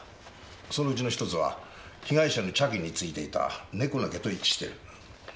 そのうちの一つは被害者の着衣についていた猫の毛と一致してる。